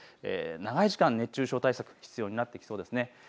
長い時間、熱中症対策必要になってきそうです。